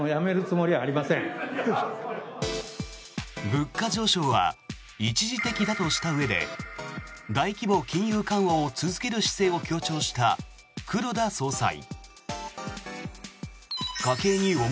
物価上昇は一時的だとしたうえで大規模金融緩和を続ける姿勢を強調した黒田総裁。